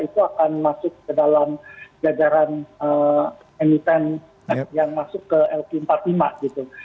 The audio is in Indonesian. itu akan masuk ke dalam jajaran emiten yang masuk ke lk empat puluh lima gitu